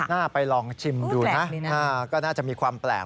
น่าไปลองชิมดูนะก็น่าจะมีความแปลก